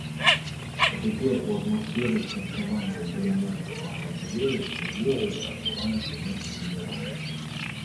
А цяпер у атмасферы святкавання дыяментавага юбілею ўвогуле адбываецца нешта неверагоднае.